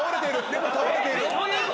でも倒れている。